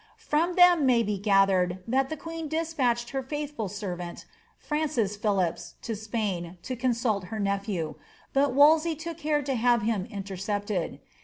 From them may be gathered, that tlie ([ueen dc8])utched her faithful servant, Francis Phil lipps, to Sj)ain, to consult her nephew ; but Wolsey took care to have him intercepted.